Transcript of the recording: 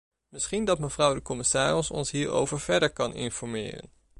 Misschien dat mevrouw de commissaris ons hierover verder kan informeren.